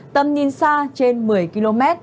tầm nhìn xa trên một mươi km